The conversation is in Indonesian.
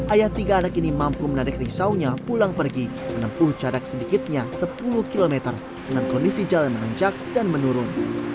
ayah tiga anak ini mampu menarik ringsaunya pulang pergi menempuh jarak sedikitnya sepuluh km dengan kondisi jalan menanjak dan menurun